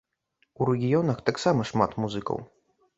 У рэгіёнах таксама шмат музыкаў!